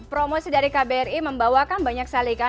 promosi dari kbri membawakan banyak salikan